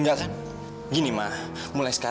moga moga dia cepet sadar